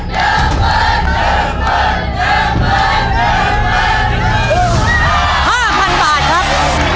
ขอบคุณครับ